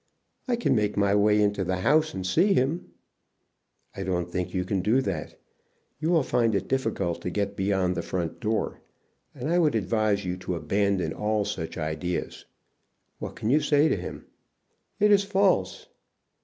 "I can make my way into the house and see him." "I don't think you can do that. You will find it difficult to get beyond the front door, and I would advise you to abandon all such ideas. What can you say to him?" "It is false!"